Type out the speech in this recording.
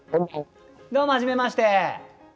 どうも初めまして。